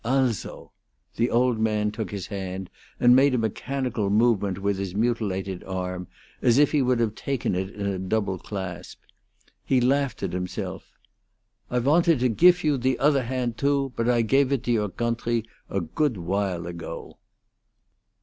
"Also!" The old man took his hand, and made a mechanical movement with his mutilated arm, as if he would have taken it in a double clasp. He laughed at himself. "I wanted to gif you the other handt, too, but I gafe it to your gountry a goodt while ago."